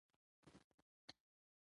موږ به بیا د نړۍ په سیالانو کې راشو.